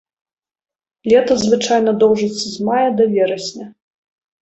Лета звычайна доўжыцца з мая да верасня.